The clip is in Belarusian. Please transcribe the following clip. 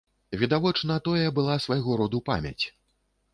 Відавочна, тое была свайго роду памяць.